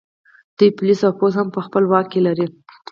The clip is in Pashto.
دوی پولیس او پوځ هم په خپل واک کې لري